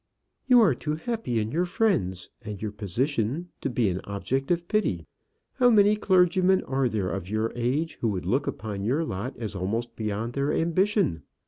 "You are too happy in your friends and your position to be an object of pity. How many clergymen are there of your age who would look upon your lot as almost beyond their ambition!